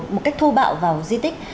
một cách thô bạo vào di tích